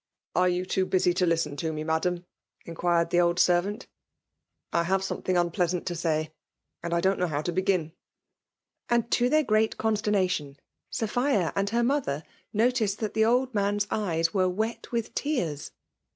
" Are you too busy to listen to me, Madam? inquired the old servant ^ I have something unpleasant to say, and don*t know how to begm." And, to their great consternation, Sophia and her mother noticed that the old man's eyes were wet with tears.